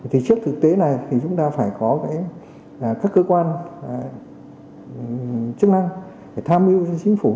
thì trước thực tế này thì chúng ta phải có các cơ quan chức năng để tham mưu cho chính phủ